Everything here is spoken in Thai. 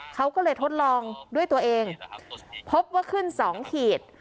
เขาก็เลยทดลองด้วยตัวเองพบว่าขึ้น๒ขีด